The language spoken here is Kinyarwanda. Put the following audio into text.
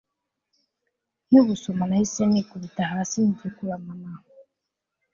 nkibusoma nahise nikubita hasi ndekura mama